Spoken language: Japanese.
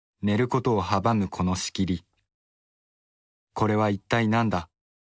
これは一体何だ？